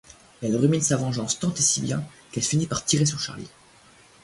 Elle rumine sa vengeance tant et si bien qu'elle finit par tirer sur Charly...